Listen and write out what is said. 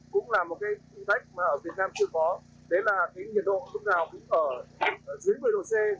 cũng là một cái thử thách mà ở việt nam chưa có đấy là cái nhiệt độ lúc nào cũng ở dưới một mươi độ c